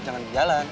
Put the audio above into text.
jangan di jalan